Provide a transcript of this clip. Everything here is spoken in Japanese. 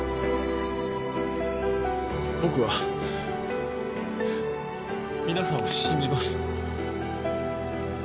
僕は皆さんを信じます。